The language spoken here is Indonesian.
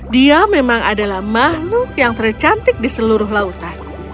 dia memang adalah makhluk yang tercantik di seluruh lautan